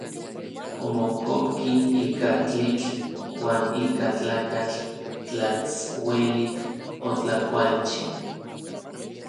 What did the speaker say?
Omokopki ika tlitl uan ika tlakatl tlats uelik otlakualchi.